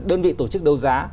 đơn vị tổ chức đấu giá